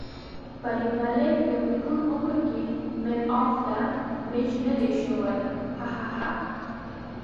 فرید ملک بیا به ټول عمر کې مېن اف ده مېچ ندی شوی.ههه